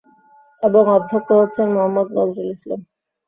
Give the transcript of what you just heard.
এবং অধ্যক্ষ হচ্ছেন মোহাম্মদ নজরুল ইসলাম।